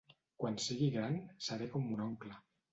Quan sigui gran seré com mon oncle.